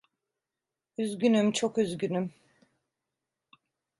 Üzgünüm, çok üzgünüm.